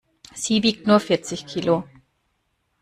Sie wiegt nur vierzig Kilo.